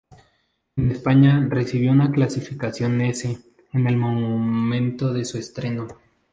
En España recibió una clasificación "S" en el momento de su estreno.